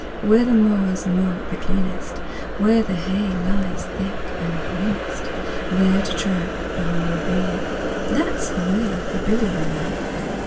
Where the mowers mow the cleanest, Where the hay lies thick and greenest, 10 There to track the homeward bee, That 's the way for Billy and me.